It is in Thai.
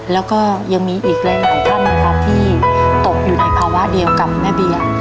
และก็ยังมีอีกเล่นหลายท่านที่ตกอยู่ในภาวะเดียวกับแม่เบีย